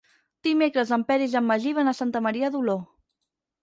Dimecres en Peris i en Magí van a Santa Maria d'Oló.